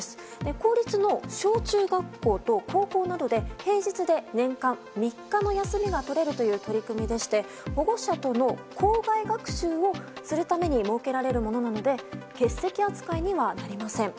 公立の小中学校と高校までで平日で年間３日の休みが取れるという取り組みでして保護者との校外学習をするために設けられるものなので欠席扱いにはなりません。